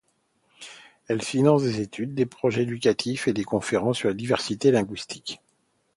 Elle finance des études, des projets éducatifs et des conférences sur la diversité linguistique.